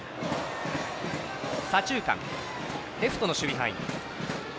左中間、レフトの守備範囲。